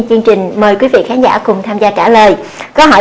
chương trình mời quý vị khán giả cùng tham gia trả lời